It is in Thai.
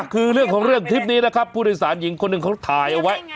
คือเรื่องของเรื่องคลิปนี้นะครับผู้โดยสารหญิงคนหนึ่งเขาถ่ายเอาไว้